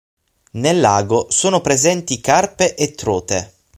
Nel lago sono presenti carpe e trote.